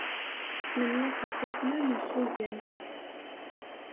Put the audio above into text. Smenyafeɣ tussna n ussugen.